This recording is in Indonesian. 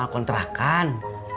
masuk kita kan